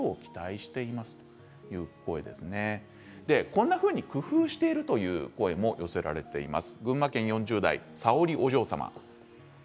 こんなふうに工夫しているという声も寄せられています。